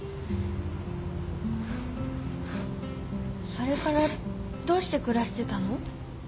それからどうして暮らしてたの？